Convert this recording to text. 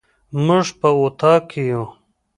موږ په اطاق کي يو